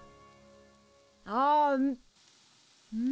あん。